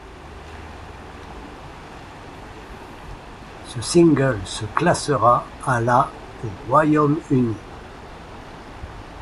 Ce single se classera à la au Royaume-Uni.